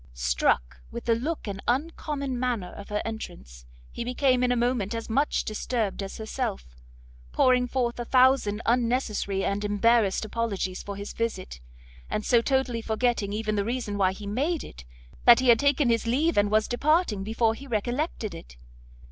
Struck with the look and uncommon manner of her entrance, he became in a moment as much disturbed as herself, pouring forth a thousand unnecessary and embarrassed apologies for his visit, and so totally forgetting even the reason why he made it, that he had taken his leave and was departing before he recollected it.